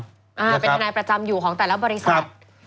เป็นทนายประจำอยู่ของแต่ละบริษัท